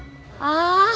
jauh jauh jauh